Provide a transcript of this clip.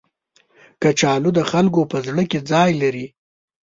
کچالو د خلکو په زړه کې ځای لري